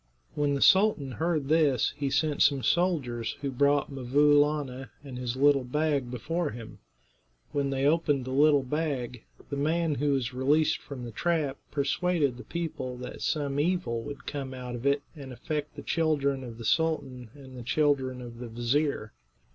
When the sultan heard this he sent some soldiers who brought 'Mvoo Laana and his little bag before him. When they opened the little bag, the man who was released from the trap persuaded the people that some evil would come out of it, and affect the children of the sultan and the children of the vizir.